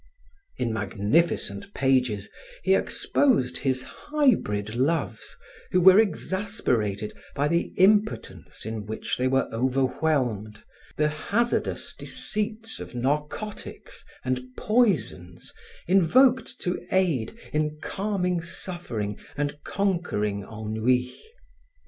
In magnificent pages he exposed his hybrid loves who were exasperated by the impotence in which they were overwhelmed, the hazardous deceits of narcotics and poisons invoked to aid in calming suffering and conquering ennui.